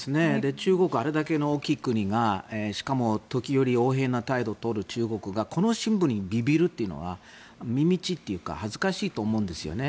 中国、あれだけの大きな国が時折、横柄な態度を取る中国がこの新聞にビビるというのはみみっちいというか恥ずかしいと思うんですね。